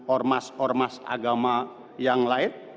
ormas ormas agama yang lain